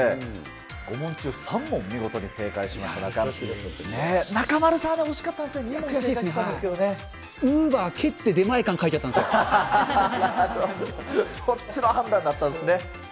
５問中３問、見事に正解しました中丸さんもね、惜しかったですね、２問正解したウーバー蹴って出前館書いちそっちの判断だったんですね。